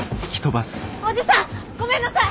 おじさんごめんなさい！